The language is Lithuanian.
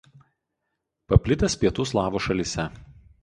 Paplitęs pietų slavų šalyse.